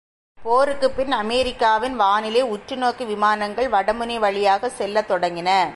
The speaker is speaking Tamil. போருக்குப்பின் அமெரிக்காவின் வானிலை உற்று நோக்கு விமானங்கள் வடமுனை வழியாகச் செல்லத் தொடங்கின.